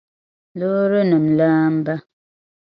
loorinim' laamba.